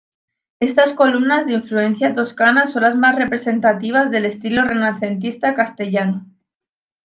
Estas columnas de influencia toscana son las más representativas del estilo renacentista castellano.